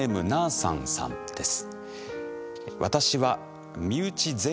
さんさんです。